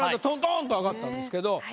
トントンと上がったんですけど。